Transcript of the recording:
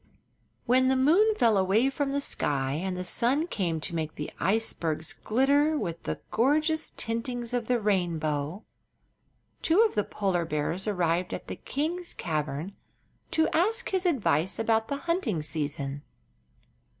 When the moon fell away from the sky and the sun came to make the icebergs glitter with the gorgeous tintings of the rainbow, two of the polar bears arrived at the king's cavern to ask his advice about the hunting season.